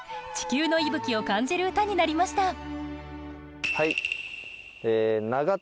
地球の息吹を感じる歌になりました。